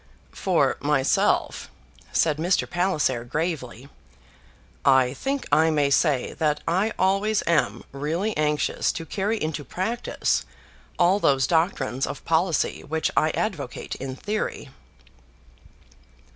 "For myself," said Mr. Palliser gravely, "I think I may say that I always am really anxious to carry into practice all those doctrines of policy which I advocate in theory."